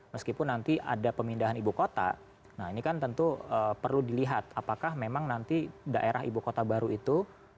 meskipun nanti ada pemindahan ibu kota nah ini kan tentu perlu dilihat apakah memang nanti daerah ibu kota baru itu